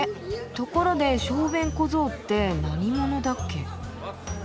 ところで小便小僧って何者だっけ？